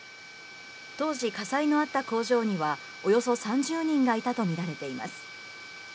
当時、火災のあった工場には、およそ３０人がいたとみられています。